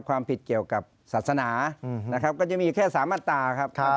ความผิดเกี่ยวกับศาสนานะครับก็จะมีแค่๓มาตราครับ